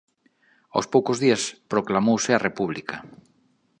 Aos poucos días proclamouse a República.